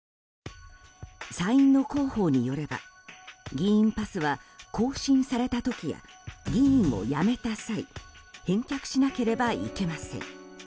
参院の広報によれば、議員パスは更新された時や、議員を辞めた際返却しなければいけません。